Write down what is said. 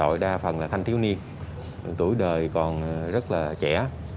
đối tượng đa phần là thanh thiếu niên tuổi đời còn rất là trẻ